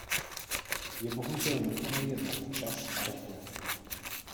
Je bohužel nutné jednat včas a rychle.